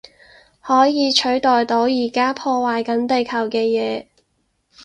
可以取代到而家破壞緊地球嘅嘢